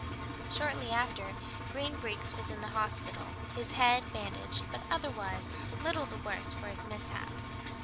Shortly after Green Breeks was in the hospital, his head bandaged, but otherwise little the worse for his mishap.